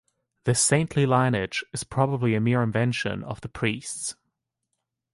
This saintly lineage is probably a mere invention of the priests.